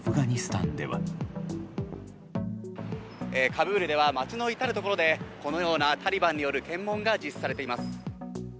カブールでは街の至るところでこのようなタリバンによる検問が実施されています。